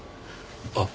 あっ。